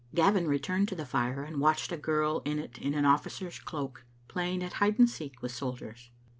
Gavin returned to the fire and watched a girl in it in an officer's cloak playing at hide and seek with sol diers.